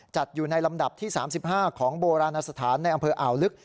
จัดอยู่ในลำดับที่๓๕ของโบราณสถานในอำเภออ่าวลึก